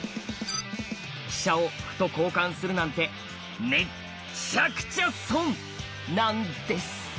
飛車を歩と交換するなんてめっちゃくちゃ損なんです。